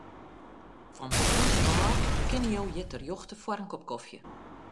Fan moarns ôf kinne jo hjir terjochte foar in kop kofje.